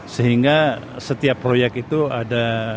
sehingga setiap proyek itu ada